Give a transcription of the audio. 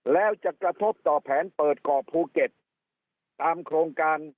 แล้วจะกระทบต่อแผนเปิดเกาะภูเก็ตตามโครงการ